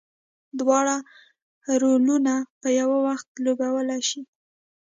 دواړه رولونه په یو وخت لوبولی شي.